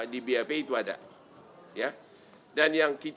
di bap itu ada